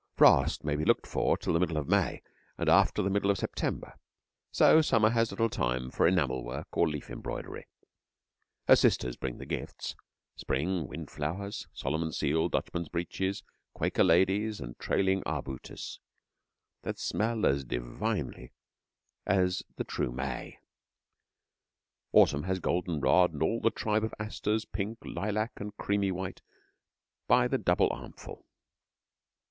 Frost may be looked for till the middle of May and after the middle of September, so Summer has little time for enamel work or leaf embroidery. Her sisters bring the gifts Spring, wind flowers, Solomon's Seal, Dutchman's breeches, Quaker ladies, and trailing arbutus, that smells as divinely as the true May. Autumn has golden rod and all the tribe of asters, pink, lilac, and creamy white, by the double armful.